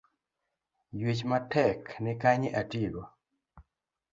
Yuech matek nikanye atigo?